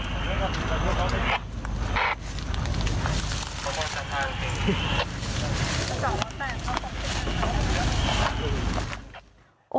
มา